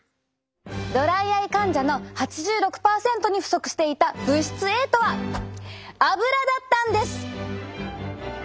ドライアイ患者の８６％に不足していた物質Ａとはアブラだったんです。